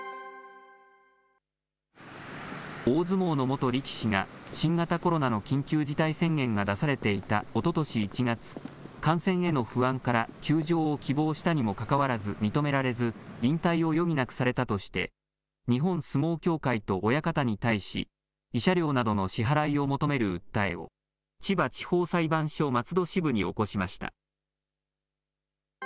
大相撲の元力士が、新型コロナの緊急事態宣言が出されていたおととし１月、感染への不安から休場を希望したにもかかわらず認められず、引退を余儀なくされたとして、日本相撲協会と親方に対し、慰謝料などの支払いを求める訴えを、千葉地方裁判所松戸支部に起こしました。